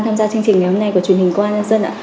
tham gia chương trình ngày hôm nay của truyền hình